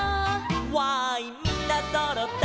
「わーいみんなそろったい」